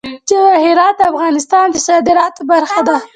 جواهرات د افغانستان د صادراتو برخه ده.